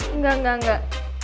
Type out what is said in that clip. enggak enggak enggak